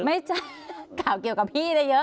ไม่จ้ะกล่าวเกี่ยวกับพี่ได้เยอะ